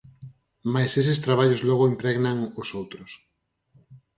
Mais eses traballos logo impregnan os outros.